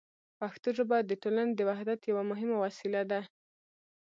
پښتو ژبه د ټولنې د وحدت یوه مهمه وسیله ده.